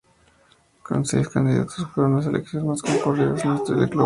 Con seis candidatos, fueron las elecciones más concurridas en la historia del club.